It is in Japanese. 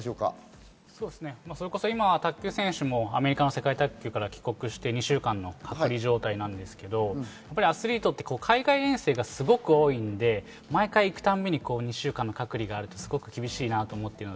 今、卓球選手もアメリカンの世界卓球から帰国して２週間の隔離状態なんですけど、アスリートって海外遠征がすごく多いので毎回行くたびに２週間の隔離があると厳しいなと思います。